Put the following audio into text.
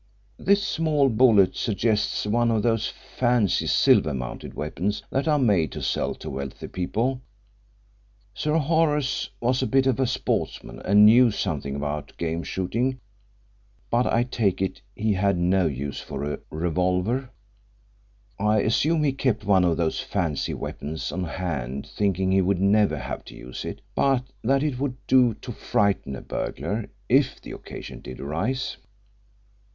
"This small bullet suggests one of those fancy silver mounted weapons that are made to sell to wealthy people. Sir Horace was a bit of a sportsman, and knew something about game shooting, but, I take it, he had no use for a revolver. I assume he kept one of those fancy weapons on hand thinking he would never have to use it, but that it would do to frighten a burglar if the occasion did arise."